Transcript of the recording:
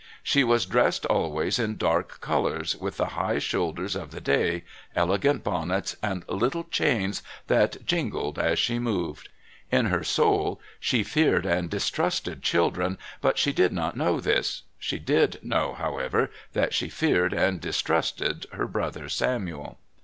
She was dressed always in dark colours, with the high shoulders of the day, elegant bonnets and little chains that jingled as she moved. In her soul she feared and distrusted children, but she did not know this. She did know, however, that she feared and distrusted her brother Samuel.